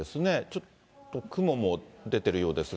ちょっと雲も出てるようです。